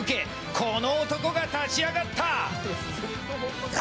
この男が立ち上がった！